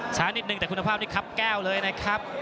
ช้านิดนึงแต่คุณภาพนี้ครับแก้วเลยนะครับ